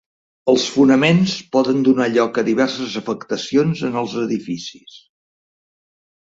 Els fonaments poden donar lloc a diverses afectacions en els edificis.